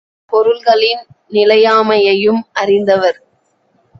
பொருள்களின் நிலையாமையையும் அறிந்தவர்.